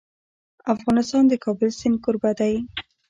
افغانستان د د کابل سیند کوربه دی.